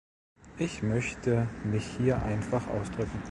Ich möchte mich hier einfach ausdrücken.